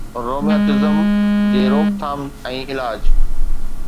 rheumatism جي روڪٿام ۽ علاج